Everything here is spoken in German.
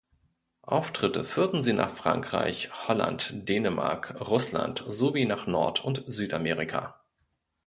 Auftritte führten sie nach Frankreich, Holland, Dänemark, Russland sowie nach Nord- und Südamerika.